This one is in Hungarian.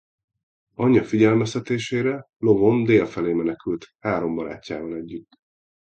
Anyja figyelmeztetésére lovon dél felé menekült három barátjával együtt.